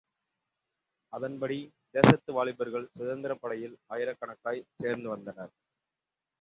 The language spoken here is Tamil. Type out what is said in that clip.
அதன்படி தேசத்து வாலிபர்கள் சுதந்திரப்படையில் ஆயிரக்கணக்காய்ச் சேர்த்து வந்தனர்.